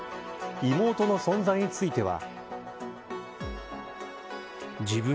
妹の存在については。